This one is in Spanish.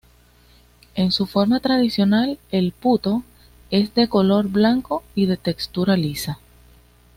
En su forma tradicional, el "puto" es de color blanco y de textura lisa.